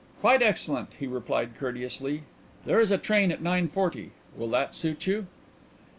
"Quite excellent," he replied courteously. "There is a train at nine forty. Will that suit you?"